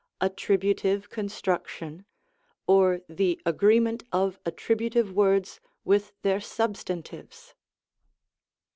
Attributive Construction, or the Agree ment OF Attributive Words with THEIR Substantives.